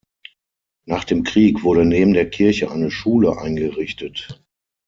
Nach dem Krieg wurde neben der Kirche eine Schule eingerichtet.